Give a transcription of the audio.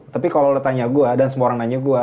tapi kalau lo tanya gue dan semua orang nanya gue